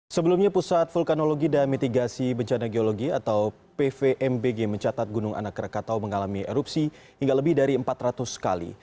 sebelumnya pusat vulkanologi dan mitigasi bencana geologi atau pvmbg mencatat gunung anak rakatau mengalami erupsi hingga lebih dari empat ratus kali